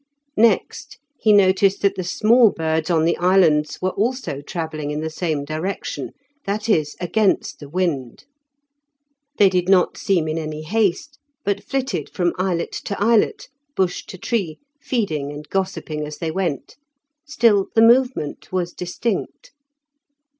Next he noticed that the small birds on the islands were also travelling in the same direction, that is against the wind. They did not seem in any haste, but flitted from islet to islet, bush to tree, feeding and gossiping as they went; still the movement was distinct.